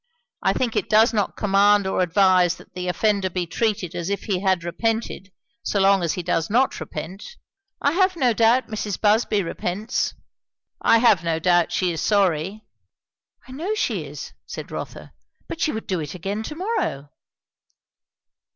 I think it does not command or advise that the offender be treated as if he had repented, so long as he does not repent." "I have no doubt Mrs. Busby repents," said Mrs. Mowbray. "I have no doubt she is sorry." "I know she is," said Rotha; "but she would do it again to morrow."